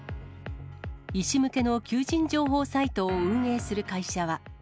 医師向けの求人情報サイトを運営する会社は。